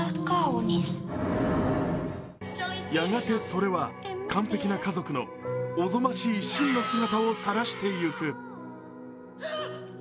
やがてそれは完璧な家族のおぞましい真の姿をさらしてゆく。